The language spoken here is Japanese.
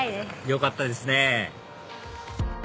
よかったですね